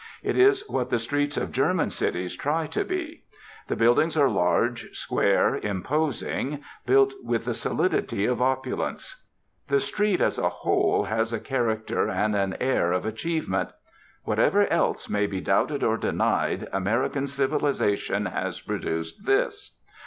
It is what the streets of German cities try to be. The buildings are large, square, 'imposing,' built with the solidity of opulence. The street, as a whole, has a character and an air of achievement. "Whatever else may be doubted or denied, American civilisation has produced this."